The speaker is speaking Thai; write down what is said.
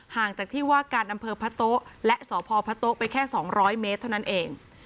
ห่างจากที่ว่าการอำเภอพะโต๊ะและสพพะโต๊ะไปแค่๒๐๐เมตรเท่านั้นเอง